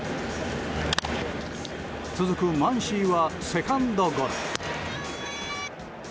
続くマンシーはセカンドゴロ。